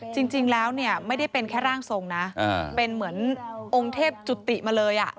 จริงแล้วเนี่ยไม่ได้เป็นแค่ร่างทรงนะเป็นเหมือนองค์เทพจุติมาเลย